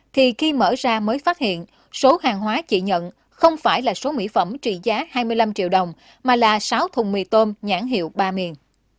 thì khi mở ra mới phát hiện số hàng hóa chị nhận không phải là số mỹ phẩm trị giá hai mươi năm triệu đồng mà là sáu thùng mì tôm nhãn hiệu ba miền